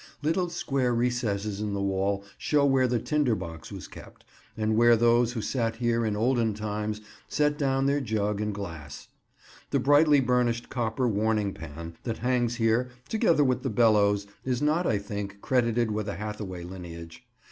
Little square recesses in the wall show where the tinder box was kept, and where those who sat here in olden times set down their jug and glass. The brightly burnished copper warming pan that hangs here, together with the bellows, is not, I think, credited with a Hathaway lineage.